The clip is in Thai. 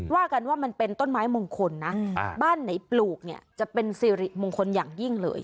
ว่ากันว่ามันเป็นต้นไม้มงคลนะบ้านไหนปลูกเนี่ยจะเป็นสิริมงคลอย่างยิ่งเลย